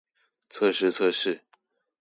測試測試